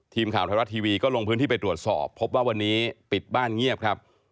ทีมข่าวไทยรัฐทีวีก็ลงพื้นที่ไปตรวจสอบพบว่าวันนี้ปิดบ้านเงียบครับ